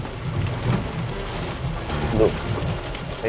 dan meng mentions nieuwa membukanya